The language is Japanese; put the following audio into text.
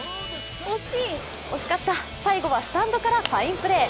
惜しかった、最後はスタンドからファインプレー。